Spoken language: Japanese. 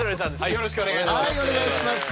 よろしくお願いします。